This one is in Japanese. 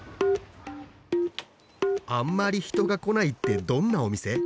あんまり人が来ないってどんなお店？